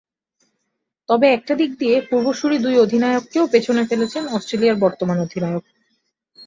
তবে একটা দিক দিয়ে পূর্বসূরি দুই অধিনায়ককেও পেছনে ফেলেছেন অস্ট্রেলিয়ার বর্তমান অধিনায়ক।